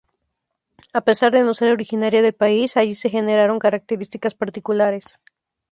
A pesar de no ser originaria del país, allí se generaron características particulares.